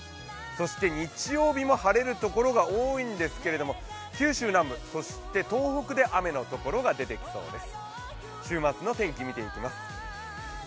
そして日曜日も晴れるところが多いんですけれども、九州南部、東北で雨のところが出てきそうです。